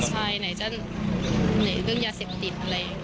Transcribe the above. ไหนจะเหนื่อยเรื่องยาเสมติด